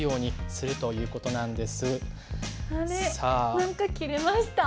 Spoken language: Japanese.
何か切れました。